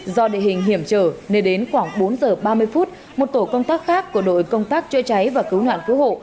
do địa hình hiểm trở nên đến khoảng bốn giờ ba mươi phút một tổ công tác khác của đội công tác chữa cháy và cứu nạn cứu hộ